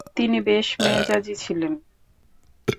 তিনি বেশ মেজাজী ছিলেন।